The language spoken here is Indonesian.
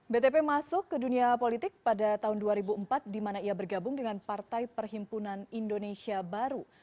btp masuk ke dunia politik pada tahun dua ribu empat di mana ia bergabung dengan partai perhimpunan indonesia baru